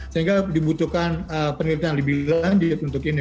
sehingga dibutuhkan penelitian lebih lanjut untuk ini